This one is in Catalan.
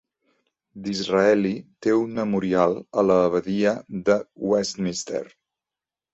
Disraeli té un memorial a l'abadia de Westminster.